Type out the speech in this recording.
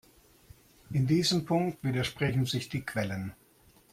In diesem Punkt widersprechen sich die Quellen.